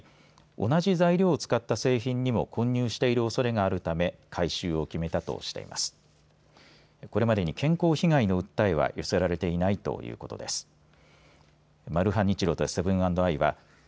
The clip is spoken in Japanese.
同じ材料を使った製品にも混入しているおそれがあるため回収を決めたとしています。